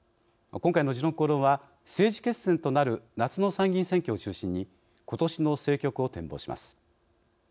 今回の「時論公論」は政治決戦となる夏の参議院選挙を中心にことしの政局を展望します。